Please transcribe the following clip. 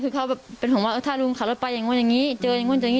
คือเขาเป็นห่วงว่าถ้าลุงขัดรถไปอย่างน้อยอย่างนี้